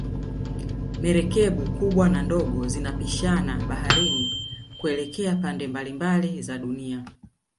Merikebu kubwa na ndogo zinapishana baharini kuelekea pande mabalimabali za dunia